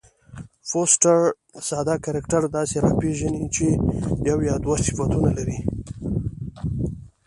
فوسټر ساده کرکټر داسي راپېژني، چي یو یا دوه صفتونه لري.